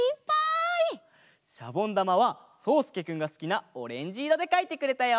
シャボンだまはそうすけくんがすきなオレンジいろでかいてくれたよ！